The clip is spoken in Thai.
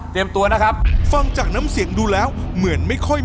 ตัวนะครับฟังจากน้ำเสียงดูแล้วเหมือนไม่ค่อย